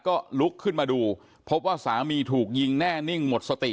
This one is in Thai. ก็ลุกขึ้นมาดูพบว่าสามีถูกยิงแน่นิ่งหมดสติ